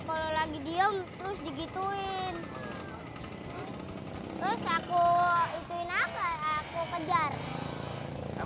emang kamu kalau udah gede mau jadi apa sih